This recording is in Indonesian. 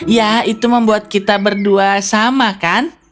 ya itu membuat kita berdua sama kan